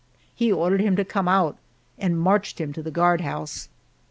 He ordered him to come out, and marched him to the guardhouse.